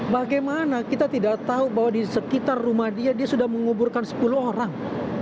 bagaimana kita tidak tahu bahwa di sekitar rumah dia dia sudah menguburkan sepuluh orang